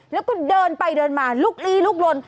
แล้วก็เดินไปเดินมาลุกลีลุกลน